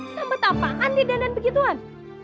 sampai tampaan dia dandan begituan